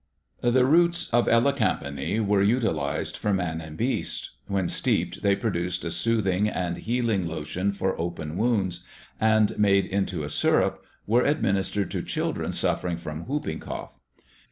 The roots of elecampane were utilized for man and beast; when steeped they produced a soothing and healing lotion for open wounds, and made into a syrup, were administered to children suffering from whooping cough.